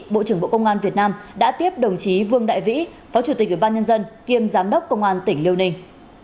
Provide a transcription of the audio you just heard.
bộ trưởng bộ công an việt nam đã tiếp đồng chí vương đại vĩ phó chủ tịch ủy ban nhân dân kiêm giám đốc công an tỉnh liêu ninh